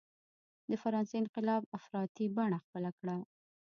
د فرانسې انقلاب افراطي بڼه خپله کړه.